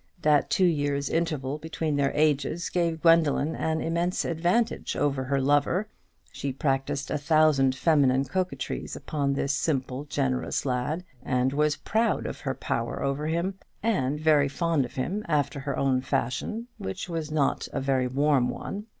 That two years' interval between their ages gave Gwendoline an immense advantage over her lover; she practised a thousand feminine coquetries upon this simple generous lad, and was proud of her power over him, and very fond of him after her own fashion, which was not a very warm one.